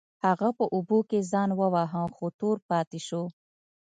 هغه په اوبو کې ځان وواهه خو تور پاتې شو.